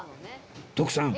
徳さん